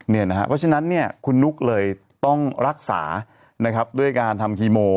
เพราะฉะนั้นคุณนุ๊กเลยต้องรักษาด้วยการทำคีโม